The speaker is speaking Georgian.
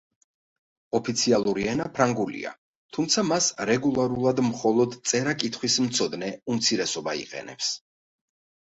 ოფიციალური ენა ფრანგულია, თუმცა მას რეგულარულად მხოლოდ წერა-კითხვის მცოდნე უმცირესობა იყენებს.